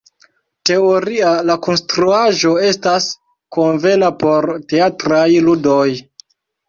Teoria la konstruaĵo estas konvena por teatraj ludoj.